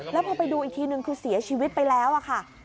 แล้วพอไปดูอีกทีนึงคือเสียชีวิตไปแล้วค่ะ